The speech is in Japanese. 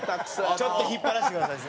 ちょっと引っ張らせてください。